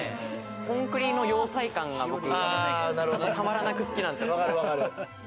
コンクリの要塞感が僕、たまらなく好きなんですよ。